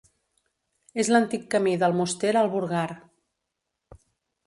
És l'antic camí d'Almoster al Burgar.